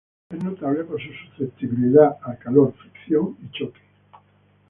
Es notable por su susceptibilidad al calor, fricción, y choque.